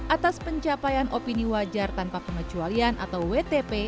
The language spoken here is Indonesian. atas pencapaian opini wajar tanpa pengecualian atau wtp